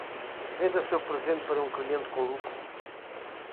Venda seu presente para um cliente com lucro.